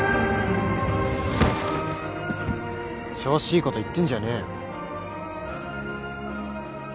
調子いいこと言ってんじゃねえよ。